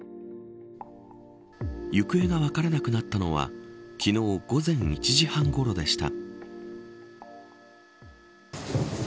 行方が分からなくなったのは昨日午前１時半ごろでした。